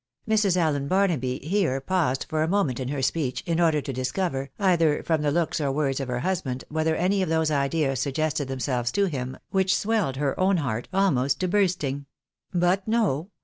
Mrs. Allen Barnaby here paused for a moment in her speech, in order to discover, either from the looks or words of her husband, whether any of those ideas suggested themselves to him which swelled her own heart almost to bursting. But no